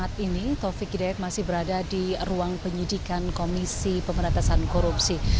saat ini taufik hidayat masih berada di ruang penyidikan komisi pemberantasan korupsi